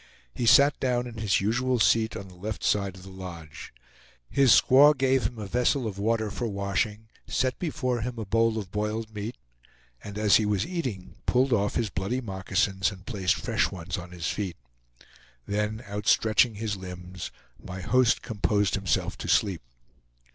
He sat down in his usual seat on the left side of the lodge. His squaw gave him a vessel of water for washing, set before him a bowl of boiled meat, and as he was eating pulled off his bloody moccasins and placed fresh ones on his feet; then outstretching his limbs, my host composed himself to sleep.